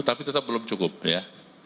tapi tetap belum cukup ya